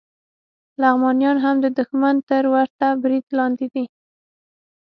لغمانیان هم د دښمن تر ورته برید لاندې دي